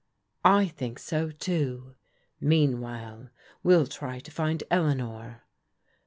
" I think so, too. Meanwhile well try to find Elea nor.